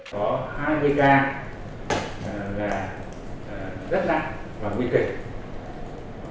có hai mươi ca rất nặng và nguy kịch